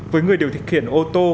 với người điều khiển ô tô